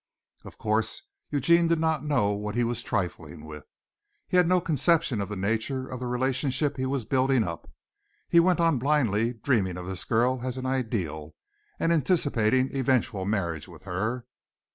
Of course, Eugene did not know what he was trifling with. He had no conception of the nature of the relationship he was building up. He went on blindly dreaming of this girl as an ideal, and anticipating eventual marriage with her.